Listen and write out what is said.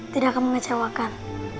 tidak akan mengecewakan